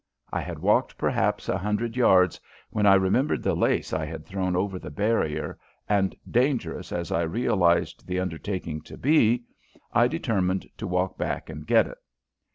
I had walked perhaps a hundred yards when I remembered the lace I had thrown over the barrier, and, dangerous as I realized the undertaking to be, I determined to walk back and get it.